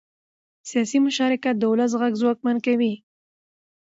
سیاسي مشارکت د ولس غږ ځواکمن کوي